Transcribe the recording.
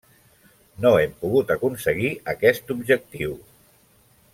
No hem pogut aconseguir aquest objectiu.